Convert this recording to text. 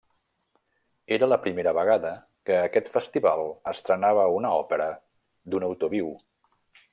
Era la primera vegada que aquest festival estrenava una òpera d'un autor viu.